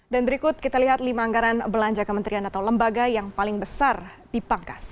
dan berikut kita lihat lima anggaran belanja kementerian atau lembaga yang paling besar dipangkas